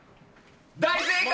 大正解。